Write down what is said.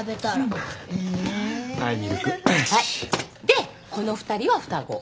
でこの２人は双子。